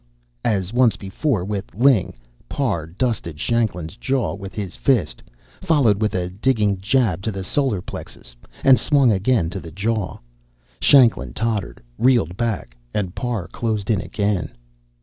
As once before with Ling, Parr dusted Shanklin's jaw with his fist, followed with a digging jab to the solar plexus, and swung again to the jaw. Shanklin tottered, reeled back, and Parr closed in again.